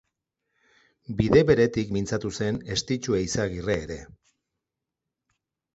Bide beretik mintzatu zen Estitxu Eizagirre ere.